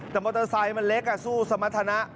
แต่มอเตอร์ไซค์มันเล็กสู้สมรรถนะ